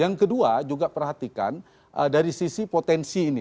yang kedua juga perhatikan dari sisi potensi ini